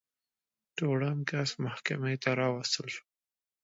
تورن کس محکمې ته راوستل شو.